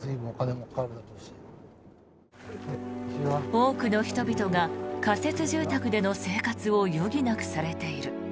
多くの人々が仮設住宅での生活を余儀なくされている。